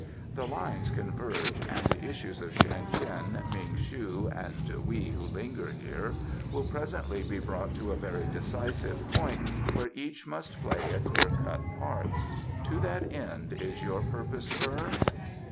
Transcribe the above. "The lines converge and the issues of Shan Tien, Ming shu and we who linger here will presently be brought to a very decisive point where each must play a clear cut part. To that end is your purpose firm?"